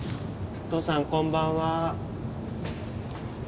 おとうさんこんばんは。